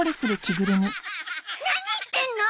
何言ってんの！